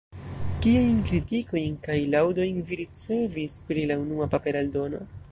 Kiajn kritikojn kaj laŭdojn vi ricevis pri la unua papera eldono?